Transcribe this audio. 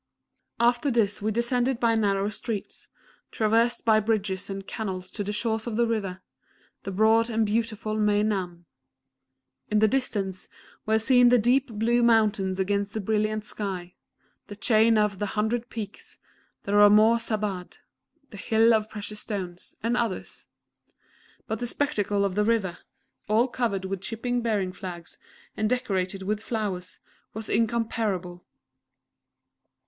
After this we descended by narrow streets, traversed by bridges and canals to the shores of the river the broad and beautiful Mei nam. In the distance were seen the deep blue mountains against the brilliant sky the chain of "The Hundred Peaks" the "Rameau Sabad" the "Hill of Precious Stones" and others. But the spectacle of the river, all covered with shipping bearing flags, and decorated with flowers, was incomparable!